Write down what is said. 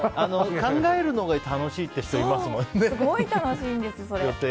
考えるのが楽しいって人いますもんね。